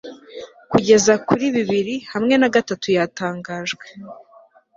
kugeza kuri bibiri hamwe nagatatu yatangajwe